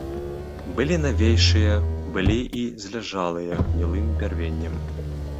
Былі навейшыя, былі і зляжалыя гнілым бярвеннем.